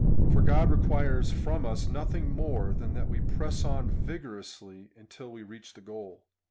3 For Grod requires from us nothing more than that we press on vigorously until we reach the goal.